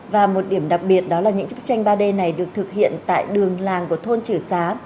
và một điểm đặc biệt đó là những chức tranh ba d này được thực hiện tại đường làng của thôn trừ xá